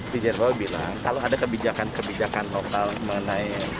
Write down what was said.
presiden bahwa bilang kalau ada kebijakan kebijakan lokal mengenai